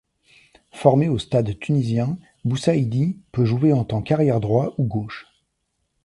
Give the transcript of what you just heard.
Formé au Stade tunisien, Boussaïdi peut jouer en tant qu'arrière droit ou gauche.